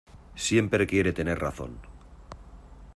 Siempre quiere tener razón.